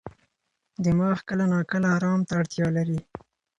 دماغ کله ناکله ارام ته اړتیا لري.